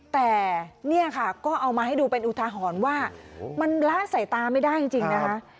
แต่เนี่ยค่ะก็เอามาให้ดูเป็นอุทาหรณ์ว่ามันละสายตาไม่ได้จริงนะคะ